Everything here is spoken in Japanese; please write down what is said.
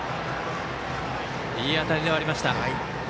いい当たりではありました。